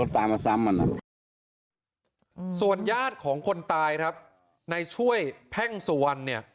ตามมาซ้ำมันอ่ะส่วนญาติของคนตายครับในช่วยแพ่งสุวรรณเนี่ย